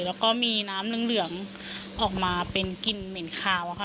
แล้วก็มีน้ำเหลืองออกมาเป็นกลิ่นเหม็นคาวอะค่ะ